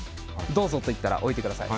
どうぞと言ったら置いてください。